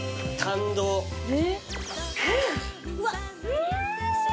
うん。